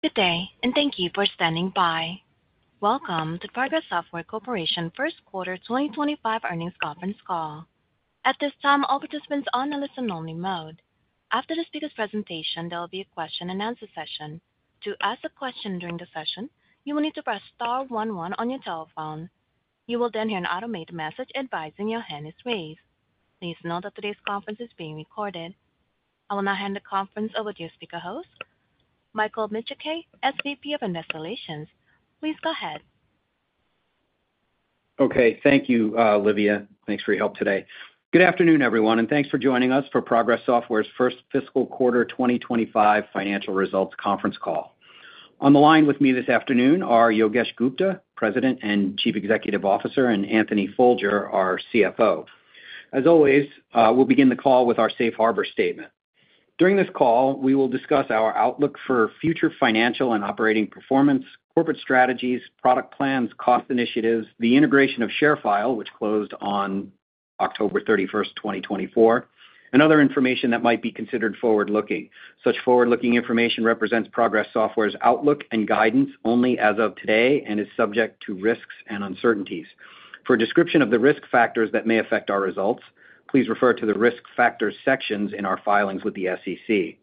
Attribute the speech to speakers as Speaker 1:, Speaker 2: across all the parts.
Speaker 1: Good day, and thank you for standing by. Welcome to Progress Software First Quarter 2025 Earnings Conference Call. At this time, all participants are on a listen-only mode. After the speaker's presentation, there will be a question-and-answer session. To ask a question during the session, you will need to press star one one on your telephone. You will then hear an automated message advising your hand is raised. Please note that today's conference is being recorded. I will now hand the conference over to your speaker host, Michael Micciche, SVP of Investor Relations. Please go ahead.
Speaker 2: Okay. Thank you, Olivia. Thanks for your help today. Good afternoon, everyone, and thanks for joining us for Progress Software's First Fiscal Quarter 2025 Financial Results Conference Call. On the line with me this afternoon are Yogesh Gupta, President and Chief Executive Officer, and Anthony Folger, our CFO. As always, we'll begin the call with our Safe Harbor Statement. During this call, we will discuss our outlook for future financial and operating performance, corporate strategies, product plans, cost initiatives, the integration of ShareFile, which closed on October 31, 2024, and other information that might be considered forward-looking. Such forward-looking information represents Progress Software's outlook and guidance only as of today and is subject to risks and uncertainties. For a description of the risk factors that may affect our results, please refer to the risk factor sections in our filings with the SEC.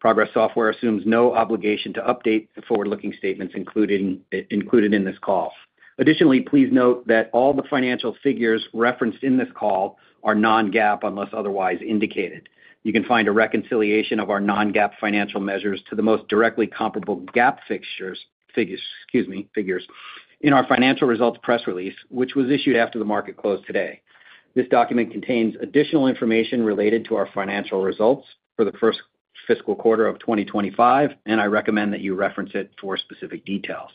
Speaker 2: Progress Software assumes no obligation to update forward-looking statements included in this call. Additionally, please note that all the financial figures referenced in this call are non-GAAP unless otherwise indicated. You can find a reconciliation of our non-GAAP financial measures to the most directly comparable GAAP figures in our financial results press release, which was issued after the market closed today. This document contains additional information related to our financial results for the first fiscal quarter of 2025, and I recommend that you reference it for specific details.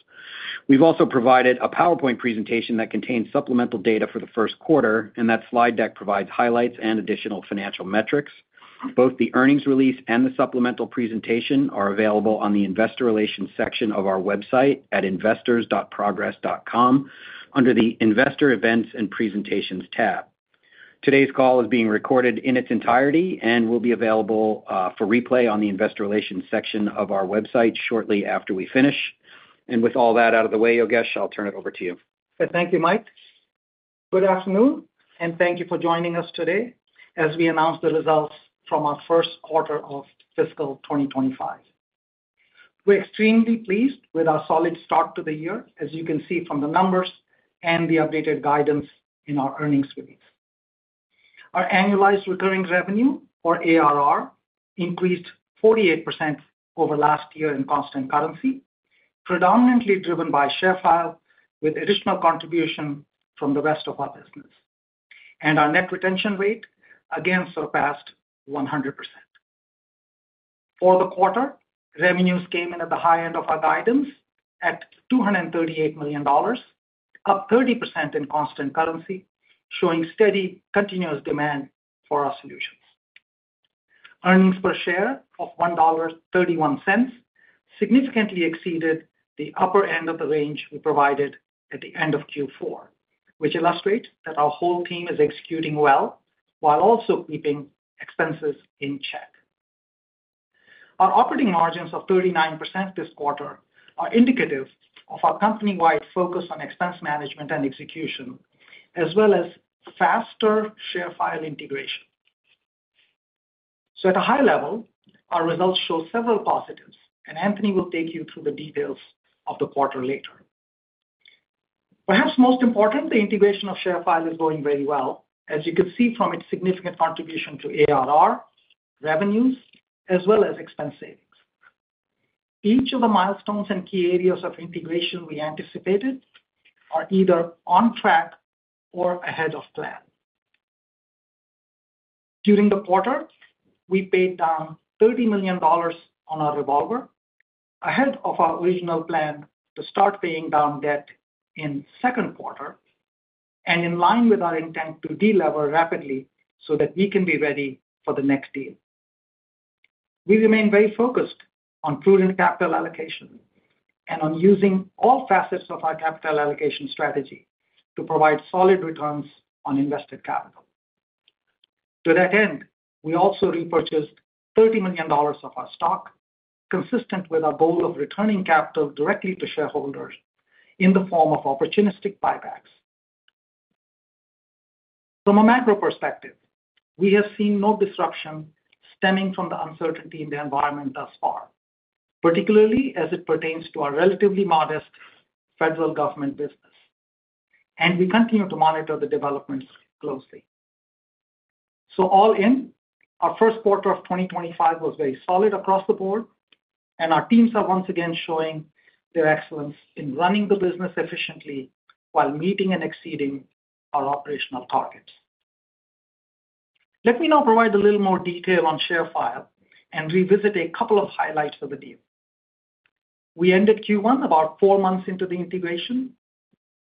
Speaker 2: We have also provided a PowerPoint presentation that contains supplemental data for the first quarter, and that slide deck provides highlights and additional financial metrics. Both the earnings release and the supplemental presentation are available on the Investor Relations section of our website at investors.progress.com under the Investor Events and Presentations tab. Today's call is being recorded in its entirety and will be available for replay on the Investor Relations section of our website shortly after we finish. With all that out of the way, Yogesh, I'll turn it over to you.
Speaker 3: Thank you, Mike. Good afternoon, and thank you for joining us today as we announce the results from our first quarter of fiscal 2025. We're extremely pleased with our solid start to the year, as you can see from the numbers and the updated guidance in our earnings release. Our annualized recurring revenue, or ARR, increased 48% over last year in constant currency, predominantly driven by ShareFile with additional contribution from the rest of our business. Our net retention rate again surpassed 100%. For the quarter, revenues came in at the high end of our guidance at $238 million, up 30% in constant currency, showing steady continuous demand for our solutions. Earnings per share of $1.31 significantly exceeded the upper end of the range we provided at the end of Q4, which illustrates that our whole team is executing well while also keeping expenses in check. Our operating margins of 39% this quarter are indicative of our company-wide focus on expense management and execution, as well as faster ShareFile integration. At a high level, our results show several positives, and Anthony will take you through the details of the quarter later. Perhaps most important, the integration of ShareFile is going very well, as you can see from its significant contribution to ARR, revenues, as well as expense savings. Each of the milestones and key areas of integration we anticipated are either on track or ahead of plan. During the quarter, we paid down $30 million on our revolver, ahead of our original plan to start paying down debt in the second quarter, and in line with our intent to delever rapidly so that we can be ready for the next deal. We remain very focused on prudent capital allocation and on using all facets of our capital allocation strategy to provide solid returns on invested capital. To that end, we also repurchased $30 million of our stock, consistent with our goal of returning capital directly to shareholders in the form of opportunistic buybacks. From a macro perspective, we have seen no disruption stemming from the uncertainty in the environment thus far, particularly as it pertains to our relatively modest federal government business, and we continue to monitor the developments closely. All in, our first quarter of 2025 was very solid across the board, and our teams are once again showing their excellence in running the business efficiently while meeting and exceeding our operational targets. Let me now provide a little more detail on ShareFile and revisit a couple of highlights of the deal. We ended Q1 about four months into the integration,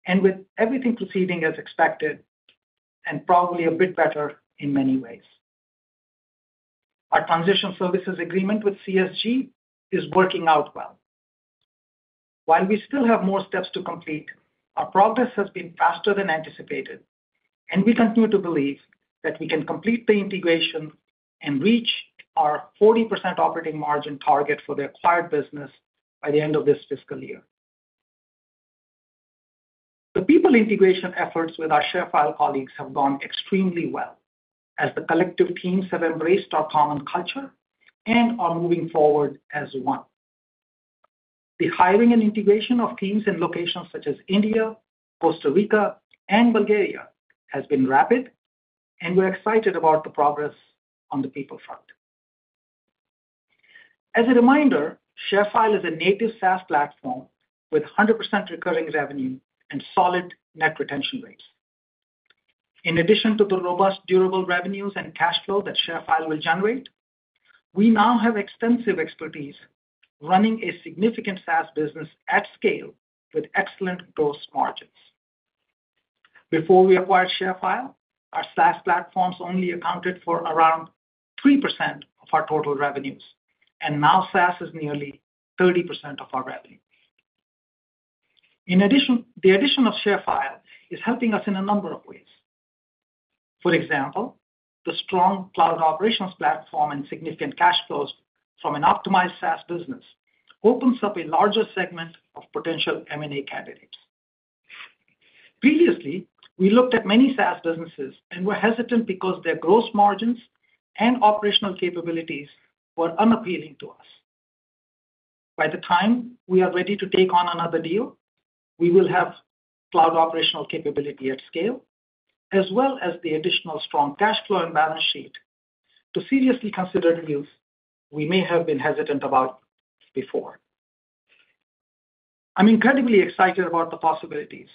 Speaker 3: and with everything proceeding as expected and probably a bit better in many ways. Our transition services agreement with CSG is working out well. While we still have more steps to complete, our progress has been faster than anticipated, and we continue to believe that we can complete the integration and reach our 40% operating margin target for the acquired business by the end of this fiscal year. The people integration efforts with our ShareFile colleagues have gone extremely well as the collective teams have embraced our common culture and are moving forward as one. The hiring and integration of teams in locations such as India, Costa Rica, and Bulgaria has been rapid, and we're excited about the progress on the people front. As a reminder, ShareFile is a native SaaS platform with 100% recurring revenue and solid net retention rates. In addition to the robust, durable revenues and cash flow that ShareFile will generate, we now have extensive expertise running a significant SaaS business at scale with excellent gross margins. Before we acquired ShareFile, our SaaS platforms only accounted for around 3% of our total revenues, and now SaaS is nearly 30% of our revenue. In addition, the addition of ShareFile is helping us in a number of ways. For example, the strong cloud operations platform and significant cash flows from an optimized SaaS business opens up a larger segment of potential M&A candidates. Previously, we looked at many SaaS businesses and were hesitant because their gross margins and operational capabilities were unappealing to us. By the time we are ready to take on another deal, we will have cloud operational capability at scale, as well as the additional strong cash flow and balance sheet to seriously consider deals we may have been hesitant about before. I'm incredibly excited about the possibilities,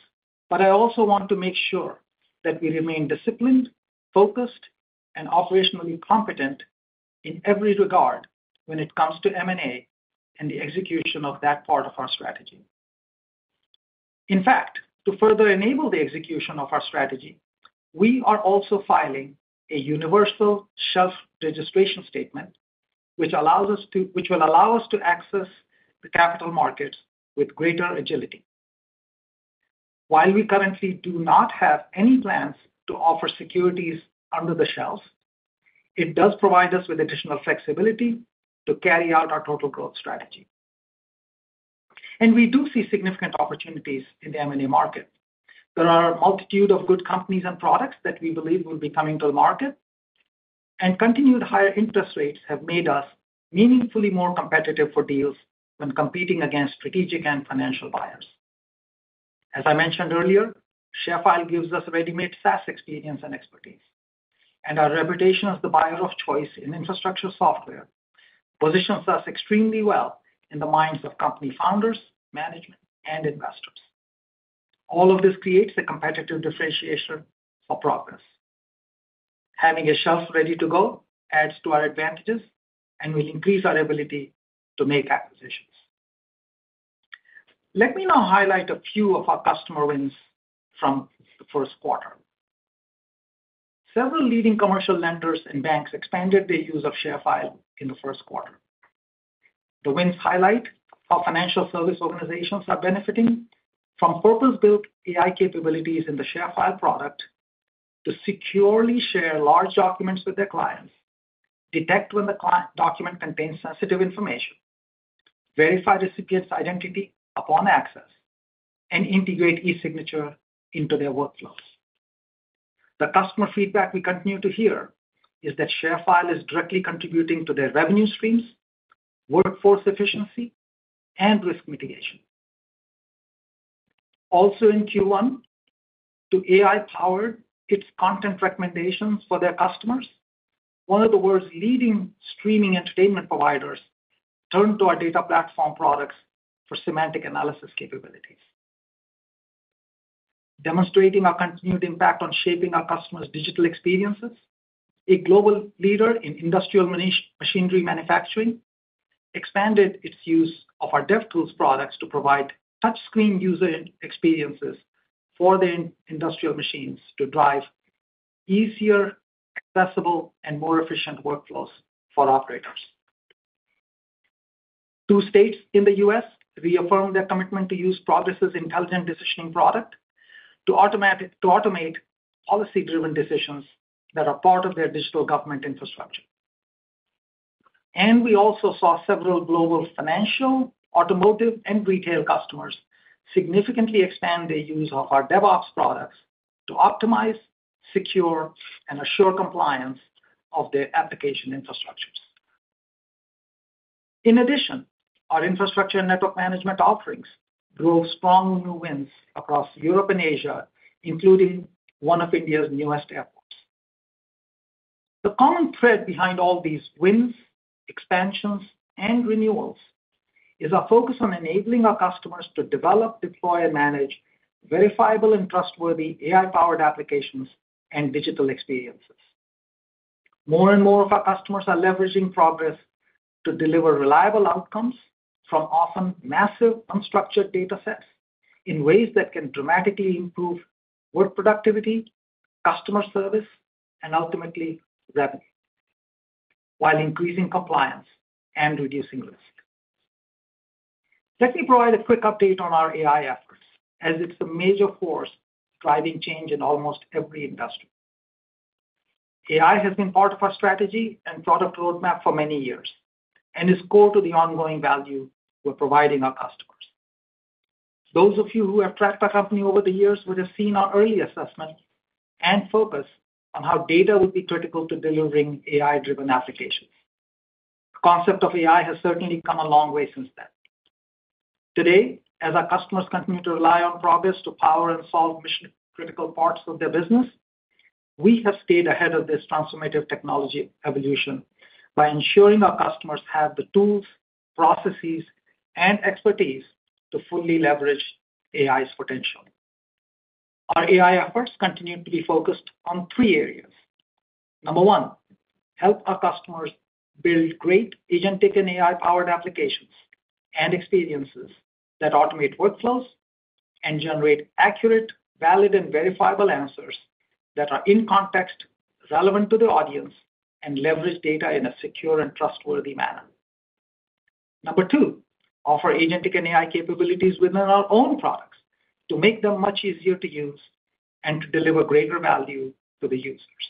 Speaker 3: but I also want to make sure that we remain disciplined, focused, and operationally competent in every regard when it comes to M&A and the execution of that part of our strategy. In fact, to further enable the execution of our strategy, we are also filing a universal shelf registration statement, which will allow us to access the capital markets with greater agility. While we currently do not have any plans to offer securities under the shelves, it does provide us with additional flexibility to carry out our total growth strategy. We do see significant opportunities in the M&A market. There are a multitude of good companies and products that we believe will be coming to the market, and continued higher interest rates have made us meaningfully more competitive for deals when competing against strategic and financial buyers. As I mentioned earlier, ShareFile gives us ready-made SaaS experience and expertise, and our reputation as the buyer of choice in infrastructure software positions us extremely well in the minds of company founders, management, and investors. All of this creates a competitive differentiation for Progress. Having a shelf ready to go adds to our advantages and will increase our ability to make acquisitions. Let me now highlight a few of our customer wins from the first quarter. Several leading commercial lenders and banks expanded their use of ShareFile in the first quarter. The wins highlight how financial service organizations are benefiting from purpose-built AI capabilities in the ShareFile product to securely share large documents with their clients, detect when the document contains sensitive information, verify recipients' identity upon access, and integrate e-signature into their workflows. The customer feedback we continue to hear is that ShareFile is directly contributing to their revenue streams, workforce efficiency, and risk mitigation. Also in Q1, to AI-power its content recommendations for their customers, one of the world's leading streaming entertainment providers turned to our data platform products for semantic analysis capabilities, demonstrating our continued impact on shaping our customers' digital experiences. A global leader in industrial machinery manufacturing expanded its use of our DevTools products to provide touchscreen user experiences for their industrial machines to drive easier, accessible, and more efficient workflows for operators. Two states in the U.S. reaffirmed their commitment to use Progress's intelligent decisioning product to automate policy-driven decisions that are part of their digital government infrastructure. We also saw several global financial, automotive, and retail customers significantly expand their use of our DevOps products to optimize, secure, and assure compliance of their application infrastructures. In addition, our infrastructure and network management offerings drove strong new wins across Europe and Asia, including one of India's newest airports. The common thread behind all these wins, expansions, and renewals is our focus on enabling our customers to develop, deploy, and manage verifiable and trustworthy AI-powered applications and digital experiences. More and more of our customers are leveraging Progress to deliver reliable outcomes from often massive unstructured data sets in ways that can dramatically improve work productivity, customer service, and ultimately revenue, while increasing compliance and reducing risk. Let me provide a quick update on our AI efforts, as it's a major force driving change in almost every industry. AI has been part of our strategy and product roadmap for many years and is core to the ongoing value we're providing our customers. Those of you who have tracked our company over the years would have seen our early assessment and focus on how data would be critical to delivering AI-driven applications. The concept of AI has certainly come a long way since then. Today, as our customers continue to rely on Progress to power and solve mission-critical parts of their business, we have stayed ahead of this transformative technology evolution by ensuring our customers have the tools, processes, and expertise to fully leverage AI's potential. Our AI efforts continue to be focused on three areas. Number one, help our customers build great agentic and AI-powered applications and experiences that automate workflows and generate accurate, valid, and verifiable answers that are in context, relevant to the audience, and leverage data in a secure and trustworthy manner. Number two, offer agentic and AI capabilities within our own products to make them much easier to use and to deliver greater value to the users.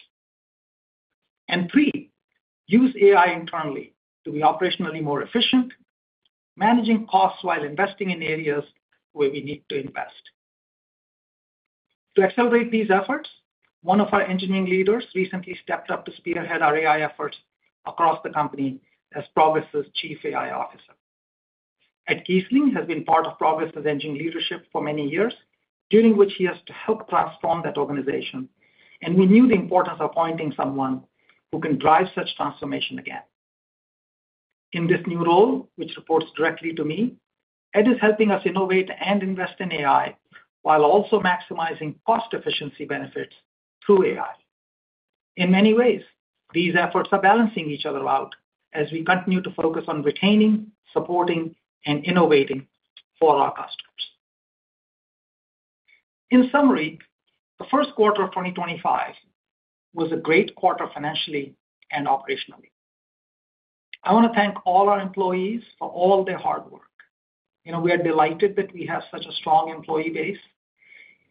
Speaker 3: Number three, use AI internally to be operationally more efficient, managing costs while investing in areas where we need to invest. To accelerate these efforts, one of our engineering leaders recently stepped up to spearhead our AI efforts across the company as Progress' Chief AI Officer. Ed Keisling has been part of Progress's engineering leadership for many years, during which he has helped transform that organization, and we knew the importance of appointing someone who can drive such transformation again. In this new role, which reports directly to me, Ed is helping us innovate and invest in AI while also maximizing cost-efficiency benefits through AI. In many ways, these efforts are balancing each other out as we continue to focus on retaining, supporting, and innovating for our customers. In summary, the first quarter of 2025 was a great quarter financially and operationally. I want to thank all our employees for all their hard work. We are delighted that we have such a strong employee base,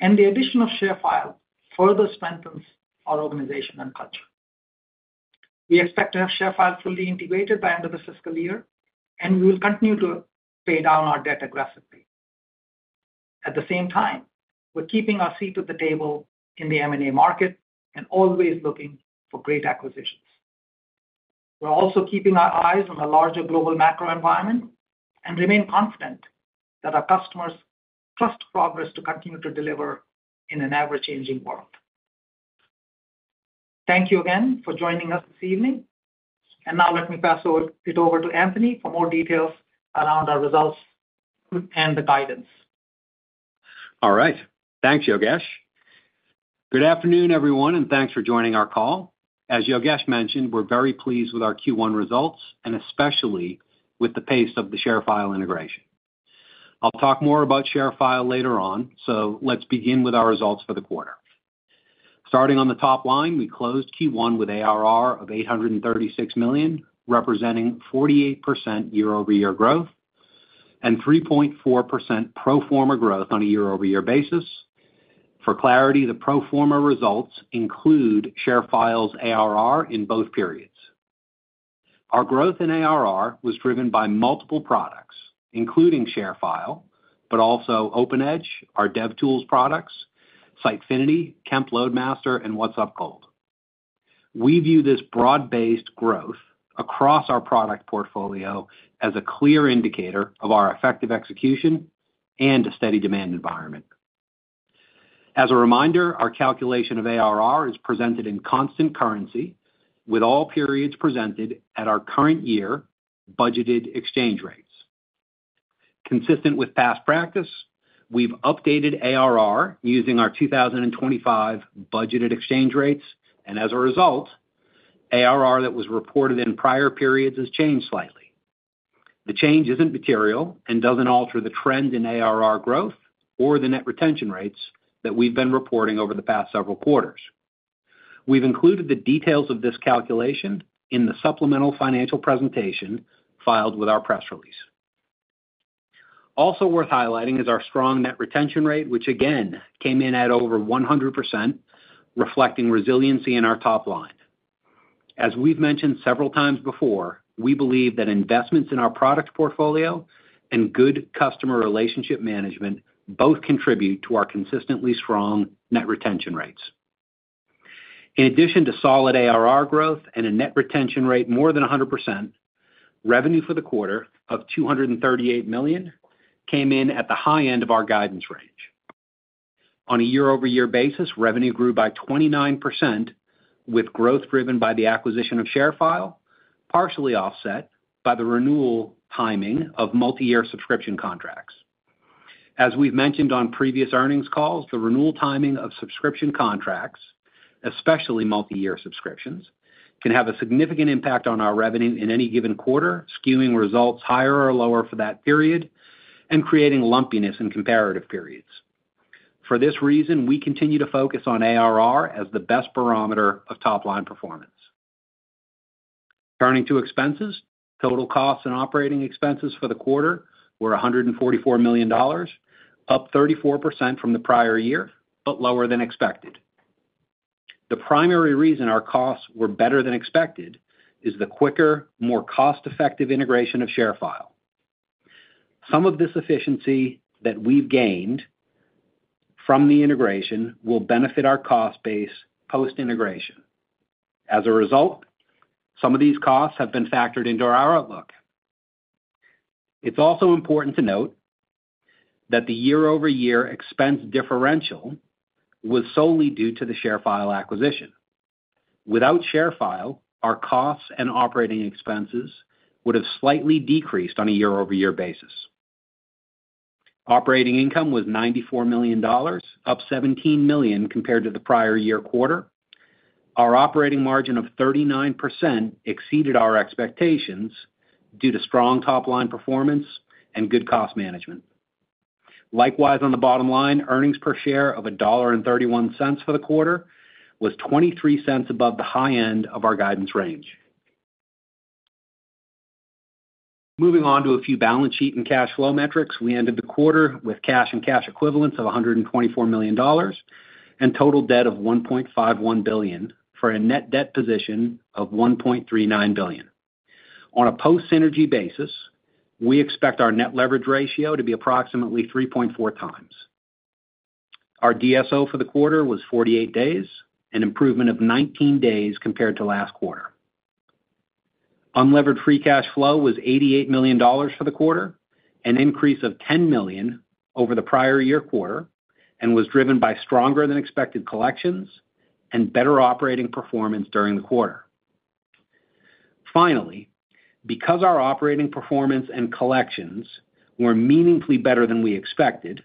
Speaker 3: and the addition of ShareFile further strengthens our organization and culture. We expect to have ShareFile fully integrated by the end of this fiscal year, and we will continue to pay down our debt aggressively. At the same time, we're keeping our seat at the table in the M&A market and always looking for great acquisitions. We're also keeping our eyes on the larger global macro environment and remain confident that our customers trust Progress to continue to deliver in an ever-changing world. Thank you again for joining us this evening. Now let me pass it over to Anthony for more details around our results and the guidance.
Speaker 4: All right. Thanks, Yogesh. Good afternoon, everyone, and thanks for joining our call. As Yogesh mentioned, we're very pleased with our Q1 results and especially with the pace of the ShareFile integration. I'll talk more about ShareFile later on, so let's begin with our results for the quarter. Starting on the top line, we closed Q1 with ARR of $836 million, representing 48% year-over-year growth and 3.4% pro forma growth on a year-over-year basis. For clarity, the pro forma results include ShareFile's ARR in both periods. Our growth in ARR was driven by multiple products, including ShareFile, but also OpenEdge, our DevTools products, Sitefinity, Kemp LoadMaster, and WhatsUp Gold. We view this broad-based growth across our product portfolio as a clear indicator of our effective execution and a steady demand environment. As a reminder, our calculation of ARR is presented in constant currency, with all periods presented at our current year budgeted exchange rates. Consistent with past practice, we've updated ARR using our 2025 budgeted exchange rates, and as a result, ARR that was reported in prior periods has changed slightly. The change isn't material and doesn't alter the trend in ARR growth or the net retention rates that we've been reporting over the past several quarters. We've included the details of this calculation in the supplemental financial presentation filed with our press release. Also worth highlighting is our strong net retention rate, which again came in at over 100%, reflecting resiliency in our top line. As we've mentioned several times before, we believe that investments in our product portfolio and good customer relationship management both contribute to our consistently strong net retention rates. In addition to solid ARR growth and a net retention rate more than 100%, revenue for the quarter of $238 million came in at the high end of our guidance range. On a year-over-year basis, revenue grew by 29%, with growth driven by the acquisition of ShareFile, partially offset by the renewal timing of multi-year subscription contracts. As we've mentioned on previous earnings calls, the renewal timing of subscription contracts, especially multi-year subscriptions, can have a significant impact on our revenue in any given quarter, skewing results higher or lower for that period and creating lumpiness in comparative periods. For this reason, we continue to focus on ARR as the best barometer of top-line performance. Turning to expenses, total costs and operating expenses for the quarter were $144 million, up 34% from the prior year, but lower than expected. The primary reason our costs were better than expected is the quicker, more cost-effective integration of ShareFile. Some of this efficiency that we've gained from the integration will benefit our cost base post-integration. As a result, some of these costs have been factored into our outlook. It's also important to note that the year-over-year expense differential was solely due to the ShareFile acquisition. Without ShareFile, our costs and operating expenses would have slightly decreased on a year-over-year basis. Operating income was $94 million, up $17 million compared to the prior year quarter. Our operating margin of 39% exceeded our expectations due to strong top-line performance and good cost management. Likewise, on the bottom line, earnings per share of $1.31 for the quarter was $0.23 above the high end of our guidance range. Moving on to a few balance sheet and cash flow metrics, we ended the quarter with cash and cash equivalents of $124 million and total debt of $1.51 billion for a net debt position of $1.39 billion. On a post-synergy basis, we expect our net leverage ratio to be approximately 3.4x. Our DSO for the quarter was 48 days, an improvement of 19 days compared to last quarter. Unlevered free cash flow was $88 million for the quarter, an increase of $10 million over the prior year quarter, and was driven by stronger-than-expected collections and better operating performance during the quarter. Finally, because our operating performance and collections were meaningfully better than we expected,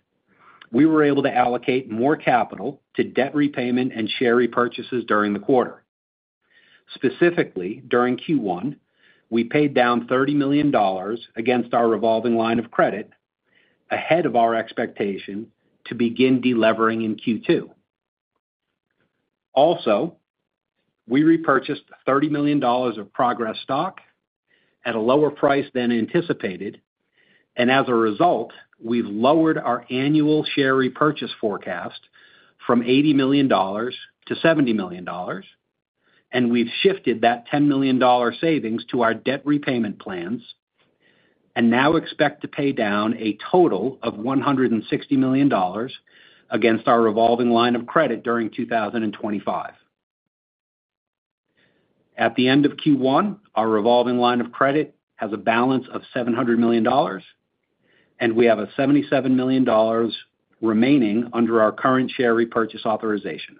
Speaker 4: we were able to allocate more capital to debt repayment and share repurchases during the quarter. Specifically, during Q1, we paid down $30 million against our revolving line of credit ahead of our expectation to begin delevering in Q2. Also, we repurchased $30 million of Progress stock at a lower price than anticipated, and as a result, we've lowered our annual share repurchase forecast from $80 million to $70 million, and we've shifted that $10 million savings to our debt repayment plans and now expect to pay down a total of $160 million against our revolving line of credit during 2025. At the end of Q1, our revolving line of credit has a balance of $700 million, and we have $77 million remaining under our current share repurchase authorization.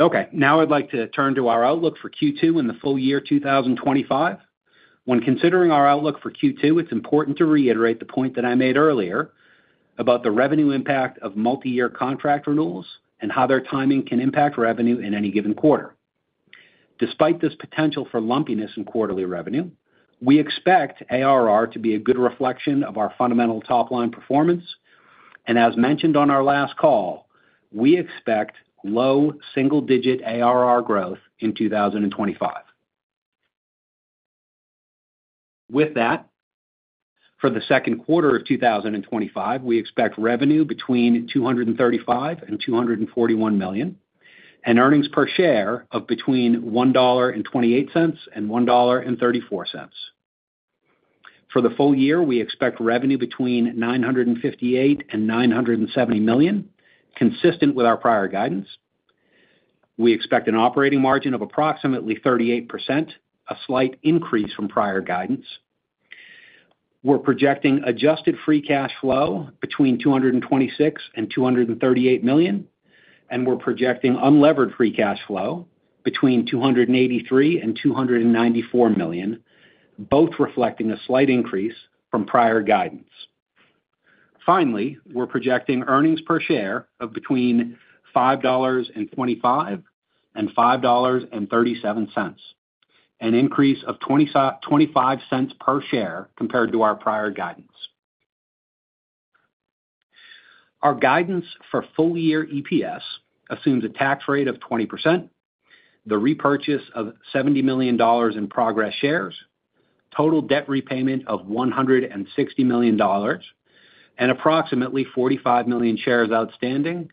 Speaker 4: Okay. Now I'd like to turn to our outlook for Q2 and the full year 2025. When considering our outlook for Q2, it's important to reiterate the point that I made earlier about the revenue impact of multi-year contract renewals and how their timing can impact revenue in any given quarter. Despite this potential for lumpiness in quarterly revenue, we expect ARR to be a good reflection of our fundamental top-line performance, and as mentioned on our last call, we expect low single-digit ARR growth in 2025. With that, for the second quarter of 2025, we expect revenue between $235 million and $241 million and earnings per share of between $1.28 and $1.34. For the full year, we expect revenue between $958 million and $970 million, consistent with our prior guidance. We expect an operating margin of approximately 38%, a slight increase from prior guidance. We're projecting adjusted free cash flow between $226 million and $238 million, and we're projecting unlevered free cash flow between $283 million and $294 million, both reflecting a slight increase from prior guidance. Finally, we're projecting earnings per share of between $5.25 and $5.37, an increase of $0.25 per share compared to our prior guidance. Our guidance for full-year EPS assumes a tax rate of 20%, the repurchase of $70 million in Progress shares, total debt repayment of $160 million, and approximately 45 million shares outstanding,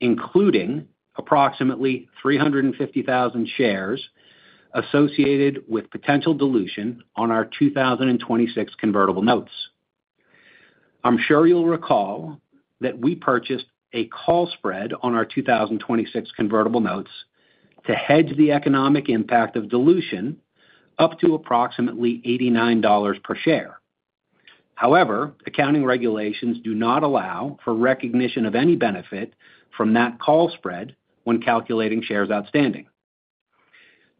Speaker 4: including approximately 350,000 shares associated with potential dilution on our 2026 convertible notes. I'm sure you'll recall that we purchased a call spread on our 2026 convertible notes to hedge the economic impact of dilution up to approximately $89 per share. However, accounting regulations do not allow for recognition of any benefit from that call spread when calculating shares outstanding.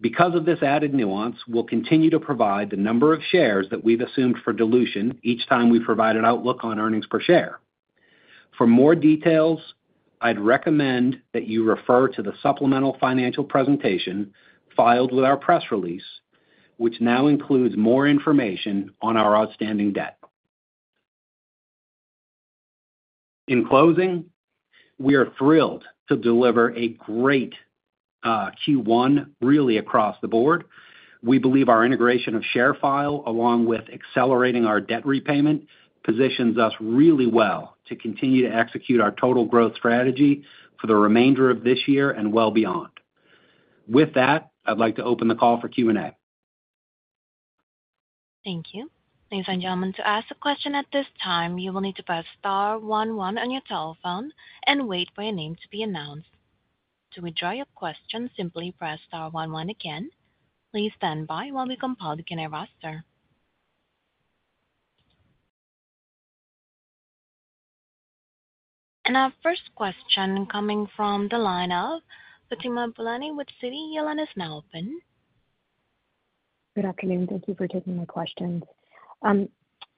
Speaker 4: Because of this added nuance, we'll continue to provide the number of shares that we've assumed for dilution each time we provide an outlook on earnings per share. For more details, I'd recommend that you refer to the supplemental financial presentation filed with our press release, which now includes more information on our outstanding debt. In closing, we are thrilled to deliver a great Q1, really across the board. We believe our integration of ShareFile, along with accelerating our debt repayment, positions us really well to continue to execute our total growth strategy for the remainder of this year and well beyond. With that, I'd like to open the call for Q&A.
Speaker 1: Thank you. Ladies and gentlemen, to ask a question at this time, you will need to press star one one on your telephone and wait for your name to be announced. To withdraw your question, simply press star one one again. Please stand by while we compile the Q&A roster. Our first question coming from the line of Fatima Boolani with Citi. Your line is now open.
Speaker 5: Good afternoon. Thank you for taking my questions.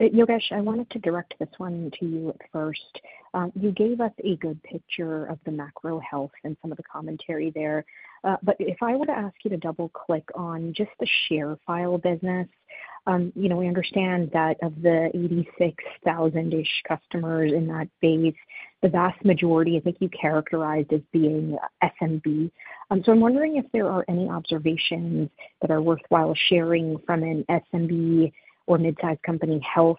Speaker 5: Yogesh, I wanted to direct this one to you first. You gave us a good picture of the macro health and some of the commentary there, but if I were to ask you to double-click on just the ShareFile business, we understand that of the 86,000-ish customers in that base, the vast majority, I think you characterized as being SMB. I am wondering if there are any observations that are worthwhile sharing from an SMB or mid-size company health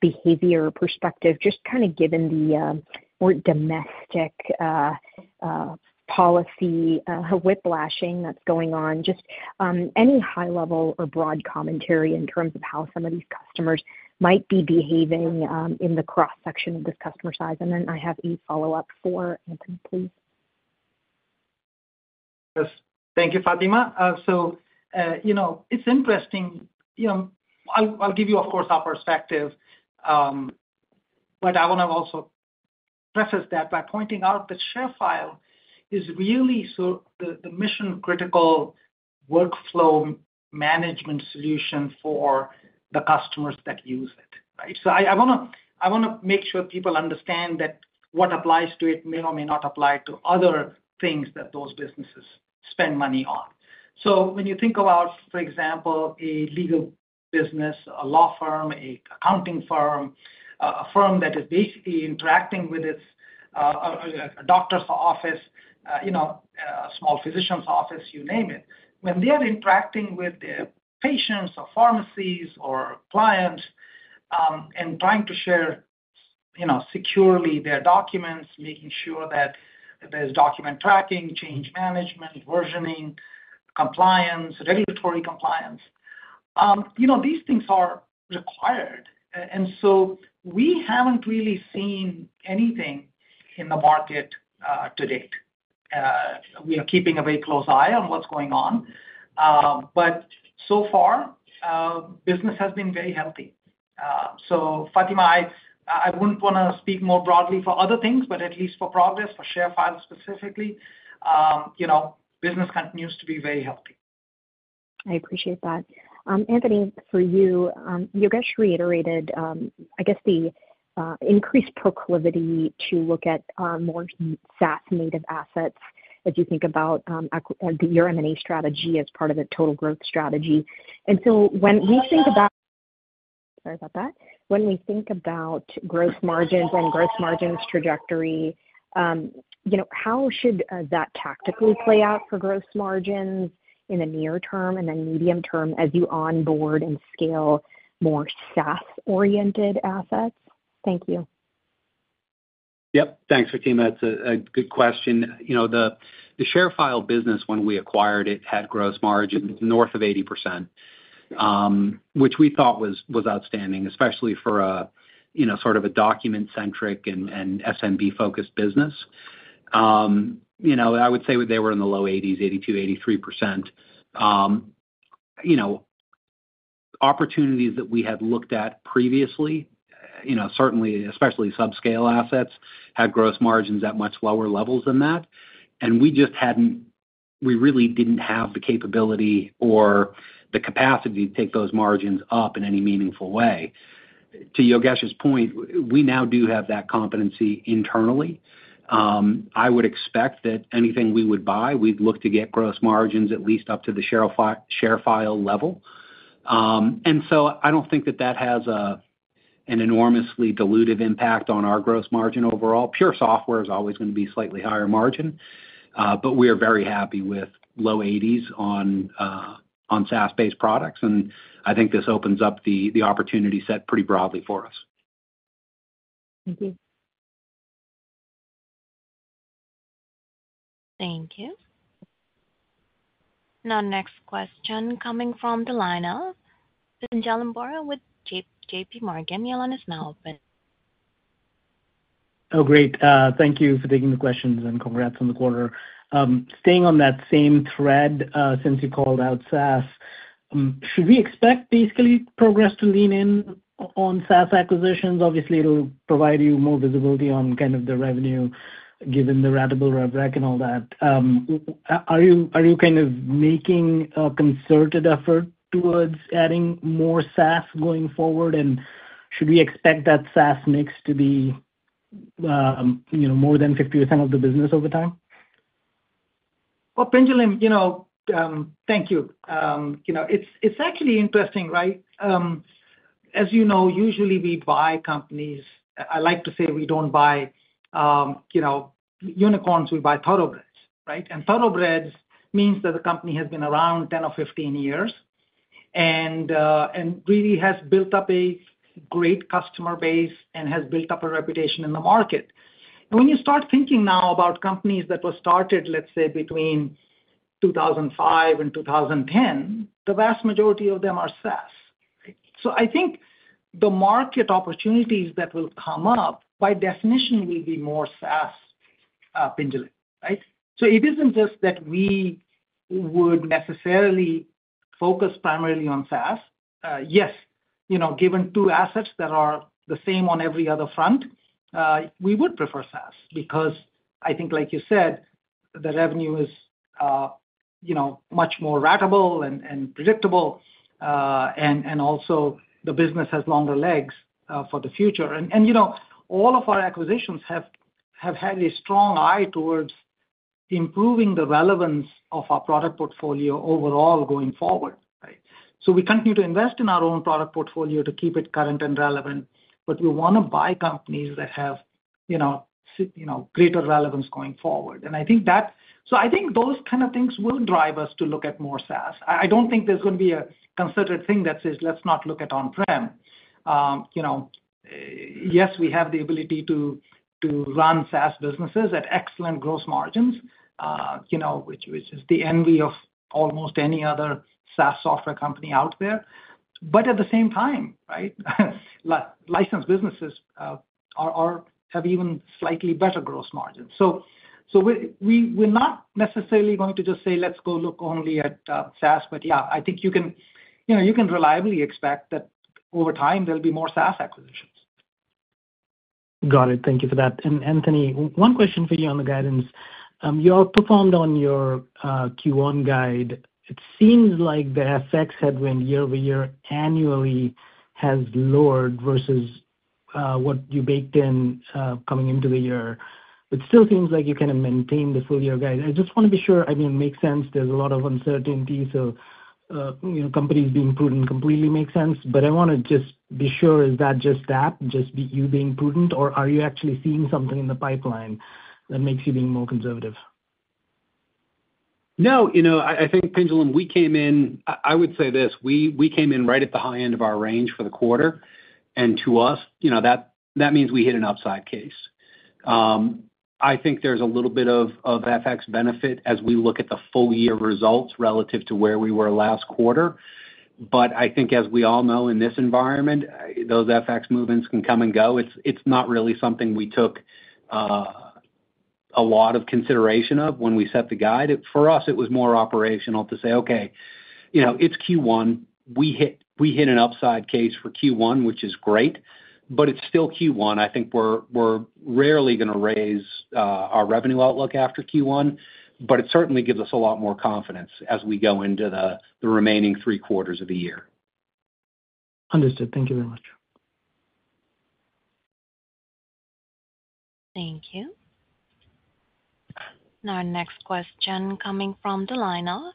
Speaker 5: behavior perspective, just kind of given the more domestic policy whiplashing that is going on. Just any high-level or broad commentary in terms of how some of these customers might be behaving in the cross-section of this customer size. I have a follow-up for Anthony, please.
Speaker 3: Yes. Thank you, Fatima. It's interesting. I'll give you, of course, our perspective, but I want to also preface that by pointing out that ShareFile is really the mission-critical workflow management solution for the customers that use it, right? I want to make sure people understand that what applies to it may or may not apply to other things that those businesses spend money on. When you think about, for example, a legal business, a law firm, an accounting firm, a firm that is basically interacting with its doctor's office, a small physician's office, you name it, when they are interacting with their patients or pharmacies or clients and trying to share securely their documents, making sure that there is document tracking, change management, versioning, compliance, regulatory compliance, these things are required. We have not really seen anything in the market to date. We are keeping a very close eye on what is going on, but so far, business has been very healthy. Fatima, I would not want to speak more broadly for other things, but at least for Progress, for ShareFile specifically, business continues to be very healthy.
Speaker 5: I appreciate that. Anthony, for you, Yogesh reiterated, I guess, the increased proclivity to look at more SaaS-native assets as you think about your M&A strategy as part of the total growth strategy. When we think about—sorry about that. When we think about gross margins and gross margins trajectory, how should that tactically play out for gross margins in the near-term and then medium term as you onboard and scale more SaaS-oriented assets? Thank you.
Speaker 4: Yep. Thanks, Fatima. That's a good question. The ShareFile business, when we acquired it, had gross margins north of 80%, which we thought was outstanding, especially for sort of a document-centric and SMB-focused business. I would say they were in the low 80%s, 82%, 83%. Opportunities that we had looked at previously, certainly, especially subscale assets, had gross margins at much lower levels than that, and we really did not have the capability or the capacity to take those margins up in any meaningful way. To Yogesh's point, we now do have that competency internally. I would expect that anything we would buy, we would look to get gross margins at least up to the ShareFile level. I do not think that that has an enormously dilutive impact on our gross margin overall. Pure software is always going to be slightly higher margin, but we are very happy with low 80%s on SaaS-based products, and I think this opens up the opportunity set pretty broadly for us.
Speaker 5: Thank you.
Speaker 1: Thank you. Now, next question coming from the line of Pinjalim Bora with JPMorgan, your line is now open.
Speaker 6: Oh, great. Thank you for taking the questions and congrats on the quarter. Staying on that same thread, since you called out SaaS, should we expect basically Progress to lean in on SaaS acquisitions? Obviously, it'll provide you more visibility on kind of the revenue given the ratable rubric and all that. Are you kind of making a concerted effort towards adding more SaaS going forward, and should we expect that SaaS mix to be more than 50% of the business over time?
Speaker 3: Pinjalim, thank you. It's actually interesting, right? As you know, usually we buy companies—I like to say we don't buy unicorns, we buy thoroughbreds, right? And thoroughbreds means that the company has been around 10 or 15 years and really has built up a great customer base and has built up a reputation in the market. When you start thinking now about companies that were started, let's say, between 2005 and 2010, the vast majority of them are SaaS, right? I think the market opportunities that will come up by definition will be more SaaS, Pinjalim, right? It isn't just that we would necessarily focus primarily on SaaS. Yes, given two assets that are the same on every other front, we would prefer SaaS because I think, like you said, the revenue is much more ratable and predictable, and also the business has longer legs for the future. All of our acquisitions have had a strong eye towards improving the relevance of our product portfolio overall going forward, right? We continue to invest in our own product portfolio to keep it current and relevant, but we want to buy companies that have greater relevance going forward. I think those kind of things will drive us to look at more SaaS. I do not think there is going to be a concerted thing that says, "Let's not look at on-prem." Yes, we have the ability to run SaaS businesses at excellent gross margins, which is the envy of almost any other SaaS software company out there. At the same time, licensed businesses have even slightly better gross margins. We are not necessarily going to just say, "Let's go look only at SaaS," but yeah, I think you can reliably expect that over time there will be more SaaS acquisitions.
Speaker 6: Got it. Thank you for that. Anthony, one question for you on the guidance. You all performed on your Q1 guide. It seems like the FX headwind year-over-year annually has lowered versus what you baked in coming into the year. It still seems like you kind of maintained the full-year guide. I just want to be sure—I mean, it makes sense. There is a lot of uncertainty, so companies being prudent completely makes sense. I want to just be sure, is that just that, just you being prudent, or are you actually seeing something in the pipeline that makes you being more conservative?
Speaker 4: No, I think, Pinjalim, we came in—I would say this: we came in right at the high end of our range for the quarter, and to us, that means we hit an upside case. I think there is a little bit of FX benefit as we look at the full-year results relative to where we were last quarter. I think, as we all know, in this environment, those FX movements can come and go. It's not really something we took a lot of consideration of when we set the guide. For us, it was more operational to say, "Okay, it's Q1. We hit an upside case for Q1, which is great, but it's still Q1." I think we're rarely going to raise our revenue outlook after Q1, but it certainly gives us a lot more confidence as we go into the remaining three quarters of the year.
Speaker 6: Understood. Thank you very much.
Speaker 1: Thank you. Now, next question coming from the line of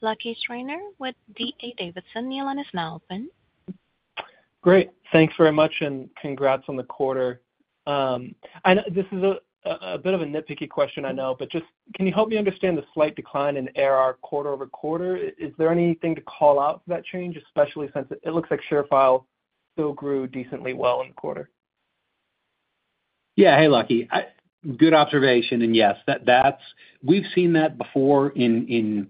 Speaker 1: Lucky Schreiner with D.A. Davidson, Your line is now open.
Speaker 7: Great. Thanks very much, and congrats on the quarter. This is a bit of a nitpicky question, I know, but just can you help me understand the slight decline in ARR quarter-over-quarter? Is there anything to call out for that change, especially since it looks like ShareFile still grew decently well in the quarter?
Speaker 4: Yeah. Hey, Lucky. Good observation. Yes, we've seen that before in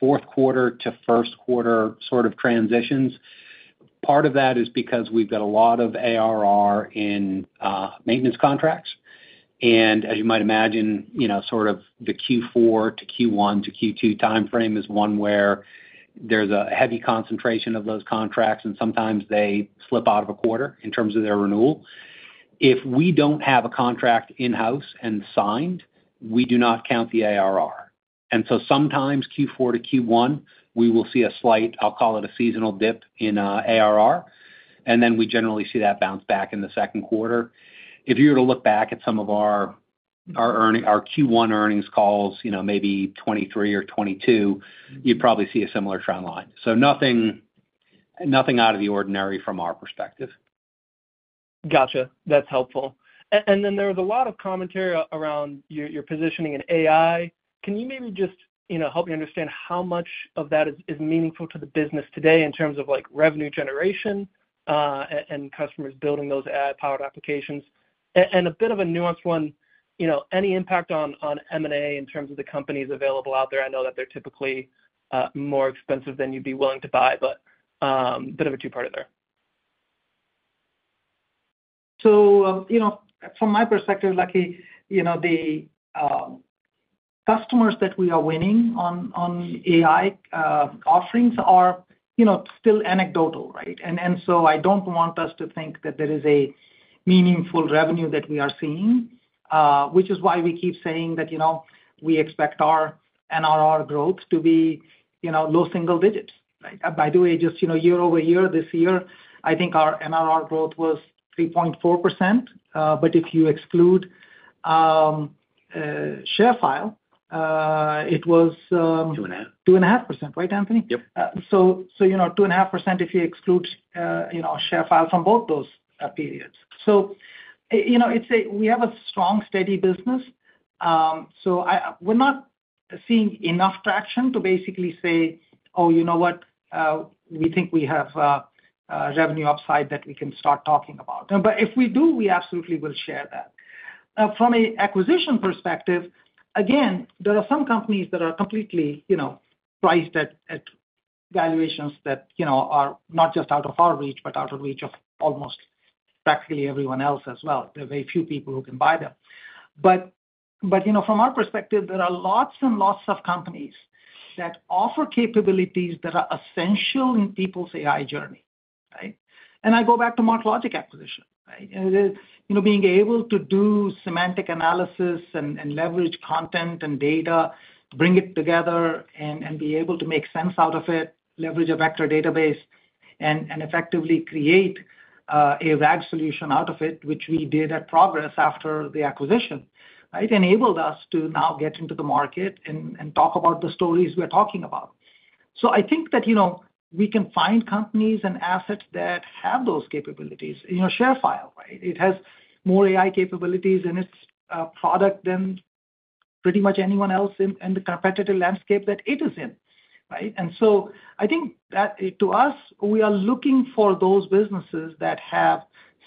Speaker 4: fourth quarter to first quarter sort of transitions. Part of that is because we've got a lot of ARR in maintenance contracts. As you might imagine, sort of the Q4 to Q1 to Q2 timeframe is one where there's a heavy concentration of those contracts, and sometimes they slip out of a quarter in terms of their renewal. If we don't have a contract in-house and signed, we do not count the ARR. Sometimes Q4 to Q1, we will see a slight, I'll call it a seasonal dip in ARR, and then we generally see that bounce back in the second quarter. If you were to look back at some of our Q1 earnings calls, maybe 2023 or 2022, you'd probably see a similar trend line. Nothing out of the ordinary from our perspective.
Speaker 7: Gotcha. That's helpful. There was a lot of commentary around your positioning in AI. Can you maybe just help me understand how much of that is meaningful to the business today in terms of revenue generation and customers building those AI-powered applications? A bit of a nuanced one, any impact on M&A in terms of the companies available out there? I know that they're typically more expensive than you'd be willing to buy, but a bit of a two-parter there.
Speaker 3: From my perspective, Lucky, the customers that we are winning on AI offerings are still anecdotal, right? I do not want us to think that there is a meaningful revenue that we are seeing, which is why we keep saying that we expect our ARR growth to be low single-digits, right? By the way, just year-over-year, this year, I think our ARR growth was 3.4%, but if you exclude ShareFile, it was two and a half. Two and a half percent, right, Anthony?
Speaker 4: Yep.
Speaker 3: Two and a half percent if you exclude ShareFile from both those periods. We have a strong, steady business, so we are not seeing enough traction to basically say, "Oh, you know what? We think we have revenue upside that we can start talking about." If we do, we absolutely will share that. From an acquisition perspective, again, there are some companies that are completely priced at valuations that are not just out of our reach, but out of reach of almost practically everyone else as well. There are very few people who can buy them. From our perspective, there are lots and lots of companies that offer capabilities that are essential in people's AI journey, right? I go back to the MarkLogic acquisition, right? Being able to do semantic analysis and leverage content and data, bring it together and be able to make sense out of it, leverage a vector database, and effectively create a RAG solution out of it, which we did at Progress after the acquisition, right? Enabled us to now get into the market and talk about the stories we're talking about. I think that we can find companies and assets that have those capabilities. ShareFile, right? It has more AI capabilities in its product than pretty much anyone else in the competitive landscape that it is in, right? I think that to us, we are looking for those businesses that have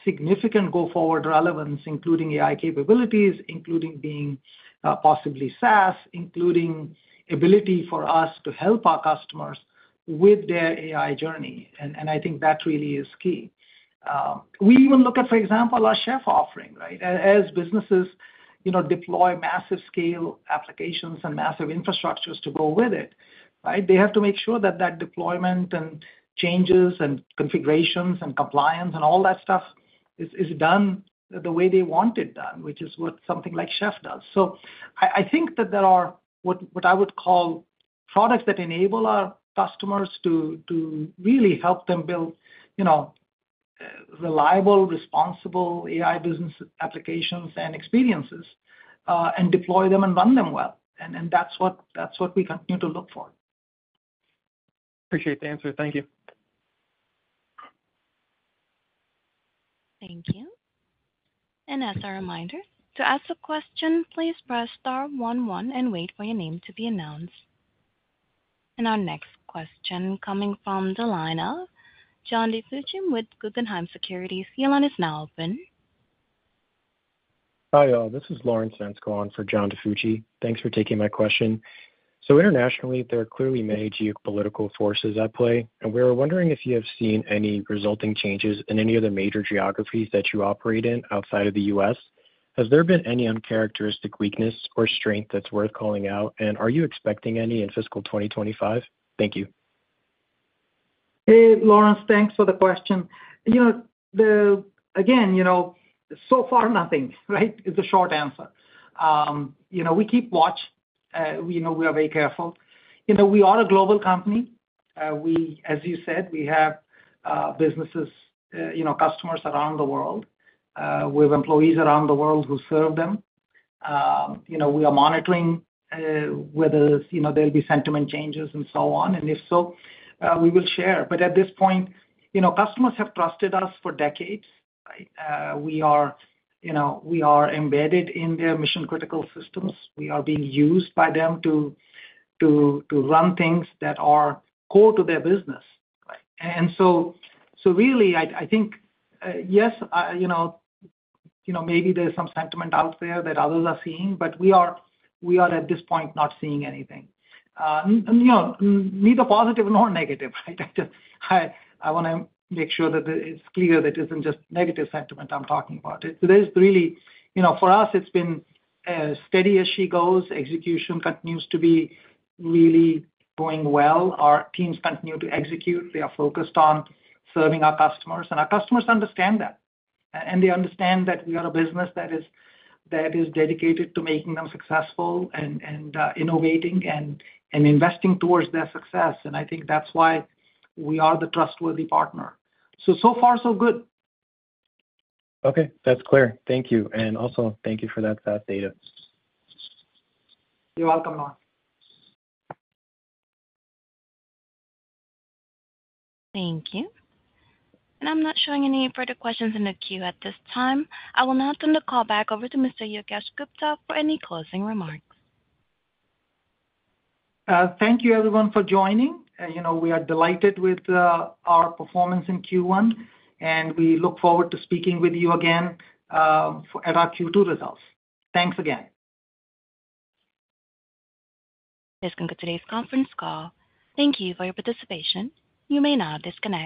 Speaker 3: significant go-forward relevance, including AI capabilities, including being possibly SaaS, including ability for us to help our customers with their AI journey. I think that really is key. We even look at, for example, our Chef offering, right? As businesses deploy massive-scale applications and massive infrastructures to go with it, right? They have to make sure that that deployment and changes and configurations and compliance and all that stuff is done the way they want it done, which is what something like Chef does. I think that there are what I would call products that enable our customers to really help them build reliable, responsible AI business applications and experiences and deploy them and run them well. That is what we continue to look for.
Speaker 7: Appreciate the answer. Thank you.
Speaker 1: Thank you. As a reminder, to ask a question, please press star one one and wait for your name to be announced. Our next question coming from the line of John DiFucci with Guggenheim Securities. The line is now open.
Speaker 8: Hi, all. This is Lauren Sanscorn for John DiFucci. Thanks for taking my question. Internationally, there are clearly many geopolitical forces at play, and we were wondering if you have seen any resulting changes in any of the major geographies that you operate in outside of the U.S. Has there been any uncharacteristic weakness or strength that's worth calling out, and are you expecting any in fiscal 2025? Thank you.
Speaker 3: Hey, Lauren, thanks for the question. Again, so far, nothing, right? Is the short answer. We keep watch. We are very careful. We are a global company. As you said, we have businesses, customers around the world. We have employees around the world who serve them. We are monitoring whether there will be sentiment changes and so on, and if so, we will share. At this point, customers have trusted us for decades, right? We are embedded in their mission-critical systems. We are being used by them to run things that are core to their business, right? I think, yes, maybe there is some sentiment out there that others are seeing, but we are at this point not seeing anything. Neither positive nor negative, right? I want to make sure that it's clear that it isn't just negative sentiment I'm talking about. There's really, for us, it's been steady as she goes. Execution continues to be really going well. Our teams continue to execute. They are focused on serving our customers, and our customers understand that. They understand that we are a business that is dedicated to making them successful and innovating and investing towards their success. I think that's why we are the trustworthy partner. So far, so good.
Speaker 9: Okay. That's clear. Thank you. Also, thank you for that data.
Speaker 3: You're welcome, Lauren.
Speaker 1: Thank you. I'm not showing any further questions in the queue at this time. I will now turn the call back over to Mr. Yogesh Gupta for any closing remarks.
Speaker 3: Thank you, everyone, for joining. We are delighted with our performance in Q1, and we look forward to speaking with you again at our Q2 results. Thanks again.
Speaker 1: This concludes today's conference call. Thank you for your participation. You may now disconnect.